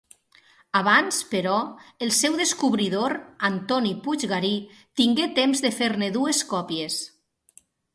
Abans, però, el seu descobridor, Antoni Puiggarí, tingué temps de fer-ne dues còpies.